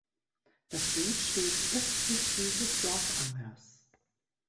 Das Gut steht östlich dieses Dorfangers.